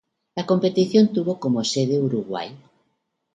La competición tuvo como sede Uruguay.